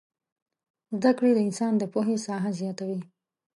زدکړې د انسان د پوهې ساحه زياتوي